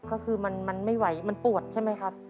ก็คือมันไม่ไหวมันปวดใช่ไหมครับ